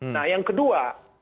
nah yang kedua